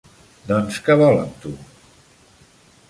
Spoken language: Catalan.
Doncs què vol, amb tu?